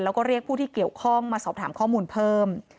แล้วก็เรียกผู้ที่เกี่ยวข้องมาสอบถามข้อมูลเพิ่ม